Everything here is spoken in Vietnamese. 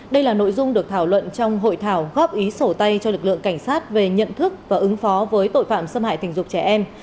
đây là nội dung được thảo luận trong hội thảo góp ý sổ tay cho lực lượng cảnh sát về nhận thức và ứng phó với tội phạm xâm hại tình dục trẻ em